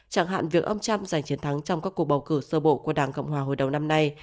chẳng hạn việc ông trump giành chiến thắng trong các cuộc bầu cử sơ bộ của đảng cộng hòa hồi đầu năm nay